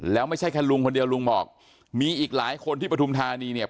แล้วไม่ใช่แค่ลุงคนเดียวลุงบอกมีอีกหลายคนที่ปฐุมธานีเนี่ย